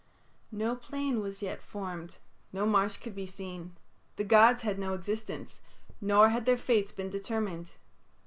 No plain was yet formed, no marsh could be seen; the gods had no existence, nor had their fates been determined.